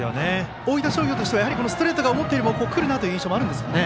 大分商業としてはストレートが思ったよりも来るなという印象があるんですかね。